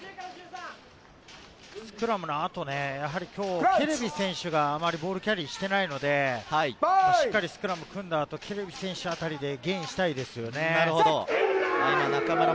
それがどスクラムのあと、ケレビ選手があまりボールキャリーしていないので、スクラムを組んだ後、ケレビ選手あたりでゲインしたいですね。